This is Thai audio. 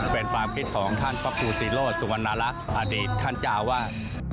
เป็นความคิดของท่านพระครูศิโรธสุวรรณรักษ์อดีตท่านเจ้าวาด